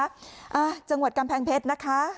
จังหวัดกำแพงเพชรนะคะ